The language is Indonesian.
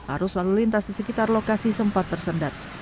arus lalu lintas di sekitar lokasi sempat tersendat